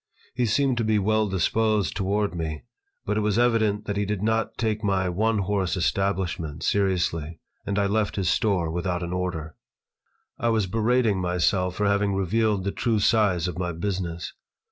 He seemed to be well disposed toward me, but it was evident that he did not take my "one horse" establishment seriously, and I left his store without an order. I was berating myself for having revealed the true size of my business.